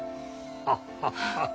ハハハ！